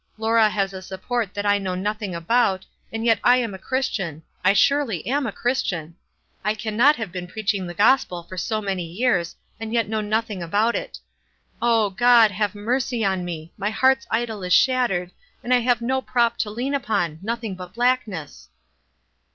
Laura has a support that I know nothing about, and }'et I am a Christian. I surely am a Christian. I can not have been preaching the gospel for so many years, and yet know nothing about it. O God, have mercy on me ! My heart's idol is shat tered, and I have no prop to lean upon — nothing but blackness."